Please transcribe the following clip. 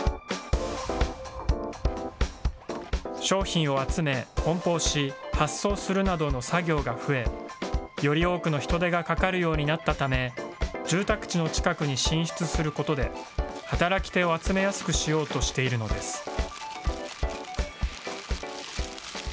商品を集めこん包し、発送するなどの作業が増え、より多くの人手がかかるようになったため、住宅地の近くに進出することで、働き手を集めやすくしようとしているのです。